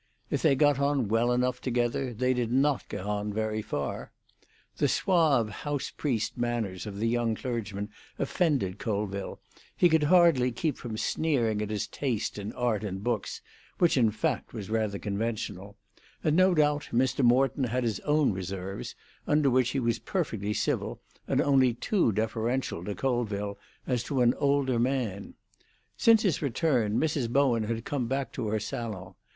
If they got on well enough together, they did not get on very far. The suave house priest manners of the young clergyman offended Colville; he could hardly keep from sneering at his taste in art and books, which in fact was rather conventional; and no doubt Mr. Morton had his own reserves, under which he was perfectly civil, and only too deferential to Colville, as to an older man. Since his return, Mrs. Bowen had come back to her salon.